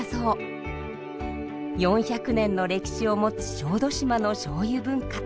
４００年の歴史を持つ小豆島のしょうゆ文化。